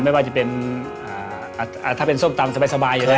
ไม่ว่าจะเป็นถ้าเป็นส้มตำสบายอยู่แล้ว